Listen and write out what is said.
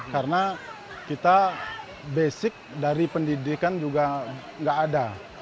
karena kita basic dari pendidikan juga nggak ada